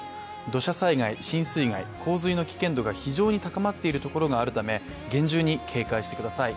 土砂災害、浸水害、洪水の危険度が非常に高まっているところがあるため厳重に警戒してください。